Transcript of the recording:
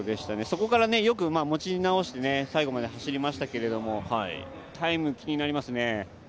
そこから、よく持ち直して最後まで走りましたけどタイム気になりますね。